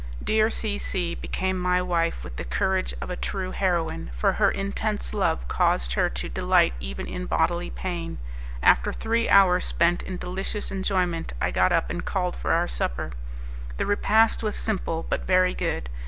My dear C C became my wife with the courage of a true heroine, for her intense love caused her to delight even in bodily pain. After three hours spent in delicious enjoyment, I got up and called for our supper. The repast was simple, but very good.